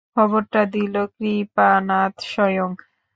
খবরটা দিল কৃপানাথ স্বয়ং।